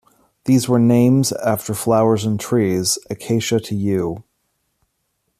These were names after flowers and trees, Acacia to Yew.